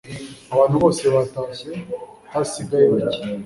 abantu bose batashye hasigaye bake